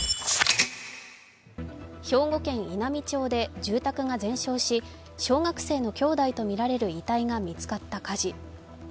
兵庫県稲美町で住宅が全焼し、小学生の兄弟とみられる遺体が見つかった火事。